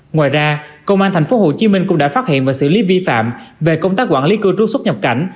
ngoài ra công an tp hcm cũng đã phát hiện và xử lý vi phạm về công tác quản lý cư trú xuất nhập cảnh